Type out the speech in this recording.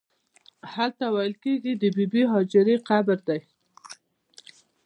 هلته ویل کېږي د بې بي هاجرې قبر دی.